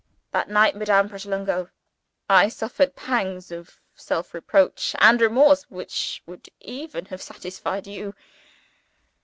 That night, Madame Pratolungo, I suffered pangs of self reproach and remorse which would even have satisfied _you.